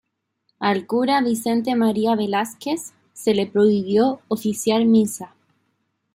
Al cura Vicente María Velásquez se le prohibió oficiar misa.